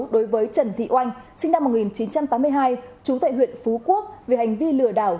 đối với trần thị oanh sinh năm một nghìn chín trăm tám mươi hai chú tại huyện phú quốc về hành vi lừa đảo